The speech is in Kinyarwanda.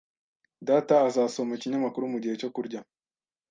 Data azasoma ikinyamakuru mugihe cyo kurya .